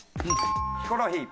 ヒコロヒー。